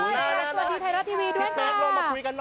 สวัสดีไทยรัฐทีวีด้วยนะคะ